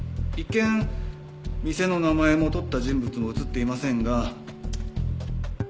一見店の名前も撮った人物も写っていませんが。